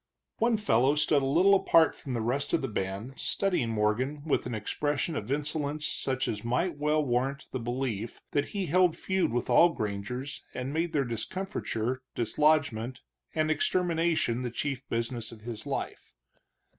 One fellow stood a little apart from the rest of the band, studying Morgan with an expression of insolence such as might well warrant the belief that he held feud with all grangers and made their discomfiture, dislodgment, and extermination the chief business of his life.